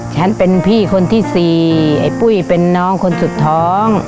ฉันเป็นพี่คนที่สี่ไอ้ปุ้ยเป็นน้องคนสุดท้อง